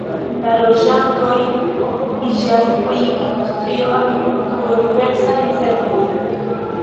La loĝantoj okupiĝas pri industrio, agrikulturo, diversaj servoj.